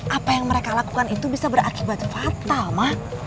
apa yang mereka lakukan itu bisa berakibat fatal mah